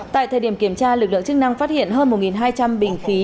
tại thời điểm kiểm tra lực lượng chức năng phát hiện hơn một hai trăm linh bình khí